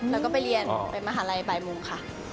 แล้วก็ไปเรียนไปมหาลัยบ่ายโมงค่ะ